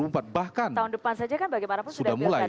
tahun depan saja kan bagaimanapun sudah biasa